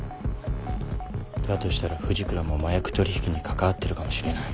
だとしたら藤倉も麻薬取引に関わってるかもしれない。